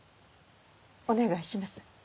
お願いします。